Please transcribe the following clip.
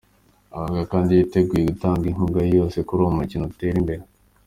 Avuga ko kandi yiteguye gutanga inkunga ye yose kuri uwo mukino utere imbere.